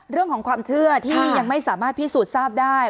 เรื่องของความเชื่อที่ยังไม่สามารถพิสูจน์ทราบได้